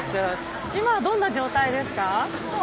今はどんな状態ですか？